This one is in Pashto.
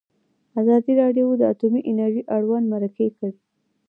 ازادي راډیو د اټومي انرژي اړوند مرکې کړي.